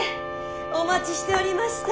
お待ちしておりました。